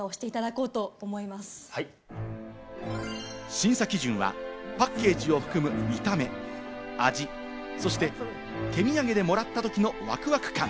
審査基準はパッケージを含む見た目、味、そして手土産でもらったときのワクワク感。